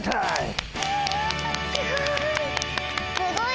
すごい！